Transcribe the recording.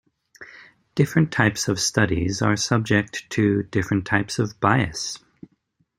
Different types of studies are subject to different types of bias.